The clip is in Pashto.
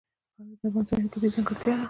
خاوره د افغانستان یوه طبیعي ځانګړتیا ده.